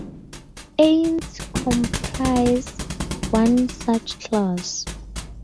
Ants comprise one such class.